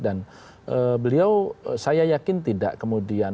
dan beliau saya yakin tidak kemudian harap